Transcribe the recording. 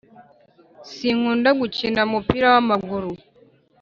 Sikunda gukina mupira wamaguru